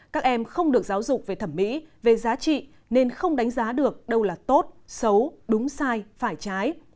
các em không được giáo dục về thẩm mỹ về giá trị nên không đánh giá được đâu là tốt xấu đúng sai phải trái